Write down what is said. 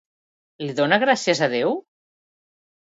Li dona gràcies a Déu?